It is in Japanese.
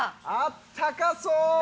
あったかそう！